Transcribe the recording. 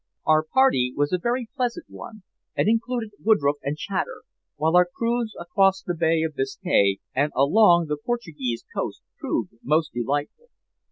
Our party was a very pleasant one, and included Woodroffe and Chater, while our cruise across the Bay of Biscay and along the Portuguese coast proved most delightful.